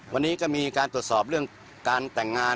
วันนี้ก็มีการตรวจสอบเรื่องการแต่งงาน